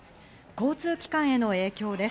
交通機関への影響です。